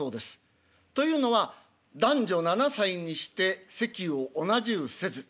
というのは「男女七歳にして席を同じうせず」。